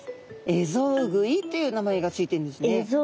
エゾウグイという名前がついているんですね。